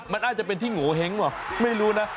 มันน่าจะเป็นที่โงเห้งเหรอไม่รู้นะ